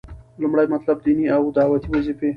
لومړی مطلب - ديني او دعوتي وظيفي: